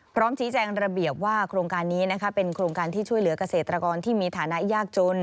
พร้อมชี้แจงระเบียบว่าโครงการนี้เป็นโครงการที่ช่วยเหลือกเกษตรกรที่มีฐานะยากจน